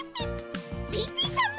ピピさま！